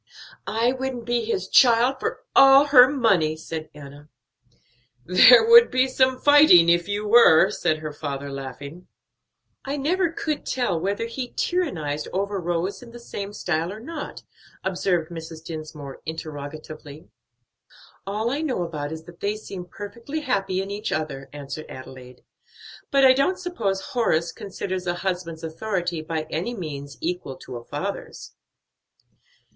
"I wouldn't be his child for all her money," said Enna. "There would be some fighting if you were," said her father, laughing. "I never could tell whether he tyrannized over Rose in the same style or not," observed Mrs. Dinsmore interrogatively. "All I know about it is that they seem perfectly happy in each other," answered Adelaide; "but I don't suppose Horace considers a husband's authority by any means equal to a father's."